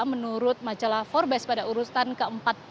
menurut majalah forbes pada urutan ke empat puluh lima